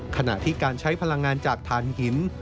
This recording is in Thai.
ขณะที่การใช้พลังงานจากฐานหิน